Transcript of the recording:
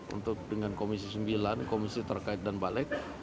untuk dengan komisi sembilan komisi terkait dan balik